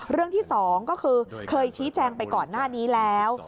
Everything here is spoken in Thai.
เรื่องที่๒ก็คือเคยชี้แจงไปก่อนหน้านี้แล้ว